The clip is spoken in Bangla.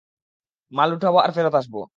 মাল উঠাব, আর ফেরত আসবো।